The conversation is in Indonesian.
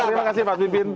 terima kasih pak bipin